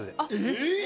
えっ！？